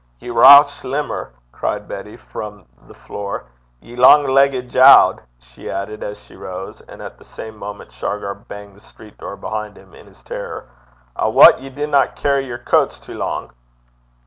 'Ye rouch limmer!' cried Betty, from the floor. 'Ye lang leggit jaud!' she added, as she rose and at the same moment Shargar banged the street door behind him in his terror 'I wat ye dinna carry yer coats ower syde (too long)!'